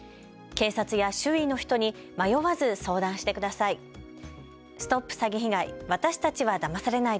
警察や周囲の人に迷わず相談してください。